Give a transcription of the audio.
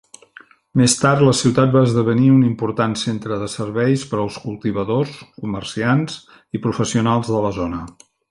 Més tard, la ciutat va esdevenir un important centre de serveis per als cultivadors, comerciants i professionals de la zona.